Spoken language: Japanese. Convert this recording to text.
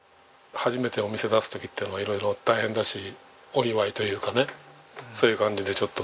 初めてお店出す時ってのは色々大変だしお祝いというかねそういう感じでちょっと。